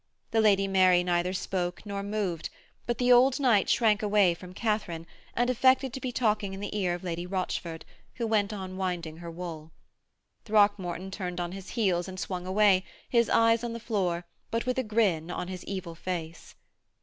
The Lady Mary neither spoke nor moved, but the old knight shrank away from Katharine, and affected to be talking in the ear of Lady Rochford, who went on winding her wool. Throckmorton turned on his heels and swung away, his eyes on the floor, but with a grin on his evil face.